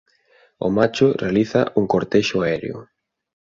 O macho realiza un cortexo aéreo.